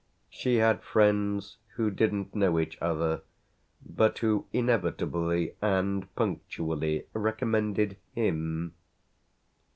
She had friends who didn't know each other but who inevitably and punctually recommended him.